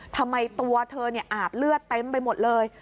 ทำไมตัวเธออาบเลือดเต็มไปหมดเลย